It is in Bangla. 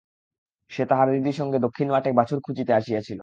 সে তাহার দিদির সঙ্গে দক্ষিণ মাঠে বাছুর খুঁজিতে আসিয়াছিল।